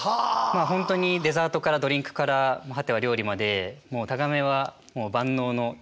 まあ本当にデザートからドリンクから果ては料理までもうタガメはもう万能の虫ですね。